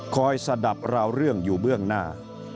สะดับราวเรื่องอยู่เบื้องหน้า